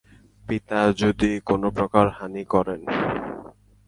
পিতা যদি কোনোপ্রকার হানি করেন।